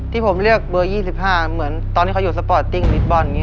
ที่ผมเลือกเบอร์๒๕เหมือนตอนที่เขาอยู่สปอร์ตติ้งมิดบอลอย่างนี้